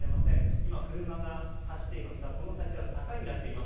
今車が走っていますがこの先は、坂になっています。